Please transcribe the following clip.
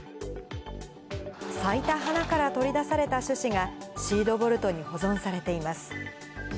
咲いた花から取り出された種子がシードボルトに保存されています。